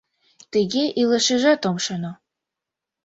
Тыге илашыжат ом шоно...